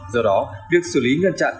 do đó việc xử lý ngăn chặn